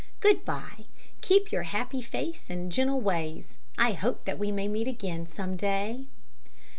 Good bye; keep your happy face and gentle ways. I hope that we may meet again some day."